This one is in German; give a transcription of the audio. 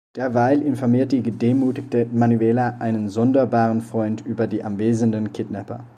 Derweil informiert die gedemütigte Manuela einen sonderbaren Freund über die anwesenden Kidnapper.